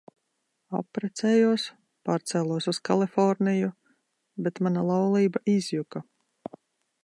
Apprecējos, pārcēlos uz Kaliforniju, bet mana laulība izjuka.